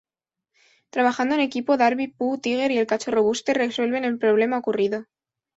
Trabajando en equipo, Darby, Pooh, Tigger, y el cachorro Buster resuelven el problema ocurrido.